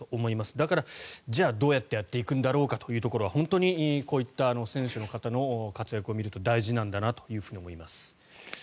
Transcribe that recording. だからじゃあ、どうやってやっていくんだろうかということは本当にこういった選手の方の活躍を見ると大事なんだなと思います。